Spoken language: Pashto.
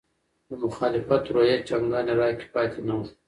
د مخالفت روحیه چندانې راکې پاتې نه وه.